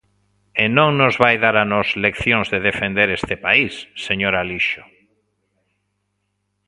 ¡E non nos vai dar a nós leccións de defender este país, señor Alixo!